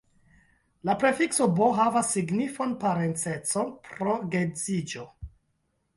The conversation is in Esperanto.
La prefikso bo- havas signifon "parenceco pro geedziĝo".